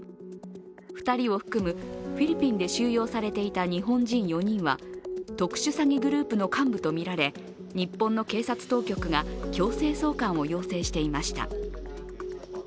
２人を含むフィリピンで収容されていた日本人４人は特殊詐欺グループの幹部とみられ日本の警察当局が強制送還を要請していました。